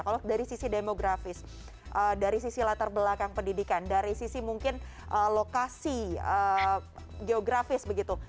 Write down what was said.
kalau dari sisi demografis dari sisi latar belakang pendidikan dari sisi mungkin lokasi geografis begitu